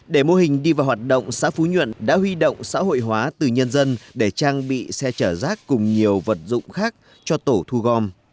để mô hình đi vào hoạt động xã phú nhuận đã huy động xã hội hóa từ nhân dân để trang bị xe chở rác cùng nhiều vật dụng khác cho tổ thu gom